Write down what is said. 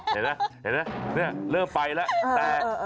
เห็นไหมเดี๋ยวต้องไปแล้ว